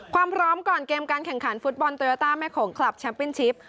ความพร้อมก่อนเกมการแข่งขันฟุตบอลโยต้าแม่โขงคลับแชมปินชิป